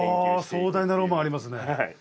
あ壮大なロマンありますね。